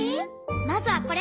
まずはこれ！